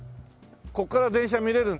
ここから電車見れる。